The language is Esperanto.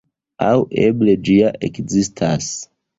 Aŭ eble ĝi ja ekzistas.